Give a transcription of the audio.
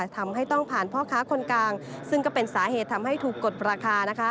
ทำให้ต้องผ่านพ่อค้าคนกลางซึ่งก็เป็นสาเหตุทำให้ถูกกดราคา